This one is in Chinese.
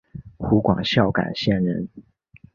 湖广孝感县人。